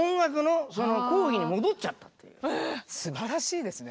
すばらしいですね。